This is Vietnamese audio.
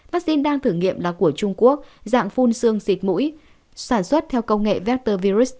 vaccine đang thử nghiệm là của trung quốc dạng phun xương xịt mũi sản xuất theo công nghệ vector virus